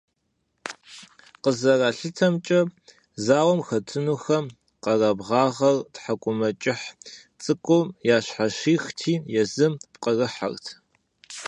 КъызэралъытэмкӀэ, зауэм хэтынухэм къэрабгъагъэр тхьэкӀумэкӀыхь цӀыкӀум ящхьэщихти езым пкъырыхьэт.